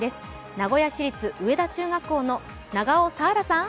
名古屋市立植田中学校の長尾紗蘭さん。